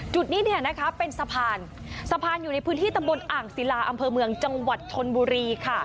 จุดนี้เนี่ยนะคะเป็นสะพานสะพานอยู่ในพื้นที่ตำบลอ่างศิลาอำเภอเมืองจังหวัดชนบุรีค่ะ